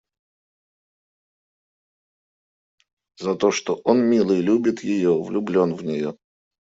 За то, что он, милый, любит ее, влюблен в нее.